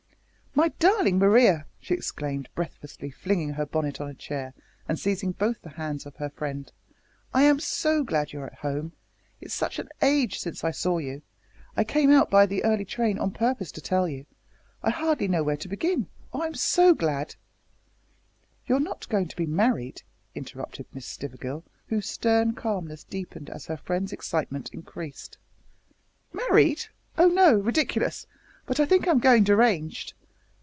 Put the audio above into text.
"My darling Maria!" she exclaimed, breathlessly, flinging her bonnet on a chair and seizing both the hands of her friend, "I am so glad you're at home. It's such an age since I saw you! I came out by the early train on purpose to tell you. I hardly know where to begin. Oh! I'm so glad!" "You're not going to be married?" interrupted Miss Stivergill, whose stern calmness deepened as her friend's excitement increased. "Married? oh no! Ridiculous! but I think I'm going deranged."